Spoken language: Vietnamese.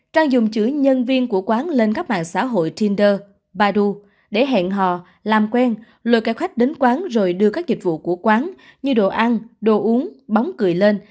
trang dùng chữ nhân viên của quán lên các mạng xã hội tinder badoo để hẹn họ làm quen lùi các khách đến quán rồi đưa các dịch vụ của quán như đồ ăn đồ uống bóng cười lên